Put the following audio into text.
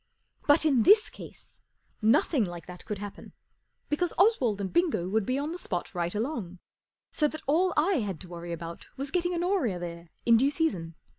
But, in this case, nothing like that could happen, because Oswald and Bingo would be on the spot right along, so that all I had to worry about was getting Honoria there in due season.